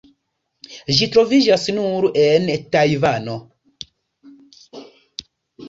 Ĝi troviĝas nur en Tajvano.